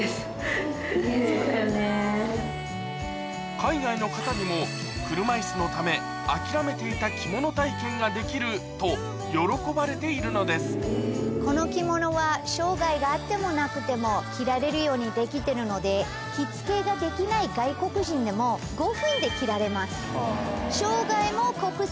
海外の方にも車椅子のためと喜ばれているのですこの着物は障がいがあってもなくても着られるようにできてるので着付けができない外国人でも５分で着られます。